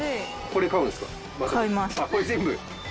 これ全部？